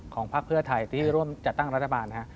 พักเพื่อไทยที่ร่วมจัดตั้งรัฐบาล